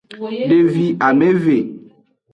Devi ameve.